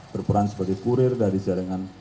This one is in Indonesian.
berperan sebagai kurir dari jaringan